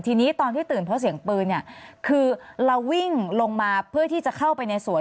ทีนี้ตอนที่ตื่นเพราะเสียงปืนเนี่ยคือเราวิ่งลงมาเพื่อที่จะเข้าไปในสวน